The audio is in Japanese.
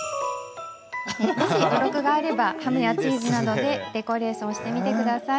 もし余力があればハムやチーズなどでデコレーションしてみて下さい。